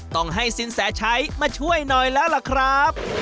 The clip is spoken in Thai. ต้องให้สินแสชัยมาช่วยหน่อยแล้วล่ะครับ